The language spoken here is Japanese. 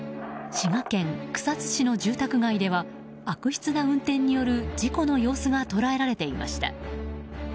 滋賀県草津市の住宅街では悪質な運転による事故の様子が捉えられていました。